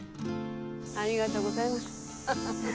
ありがとうございますハハ。